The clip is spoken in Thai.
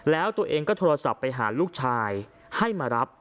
แล้วตัวเองก็โทรศัพท์ไปหาลูกชายให้มารับ